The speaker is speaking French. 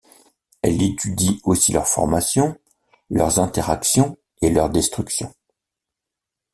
Elle étudie aussi leur formation, leurs interactions et leur destruction.